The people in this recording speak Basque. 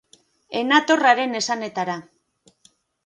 Ez nator haren esanetara.